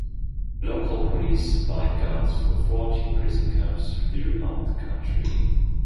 Local police supplied guards for fourteen prison camps throughout the country.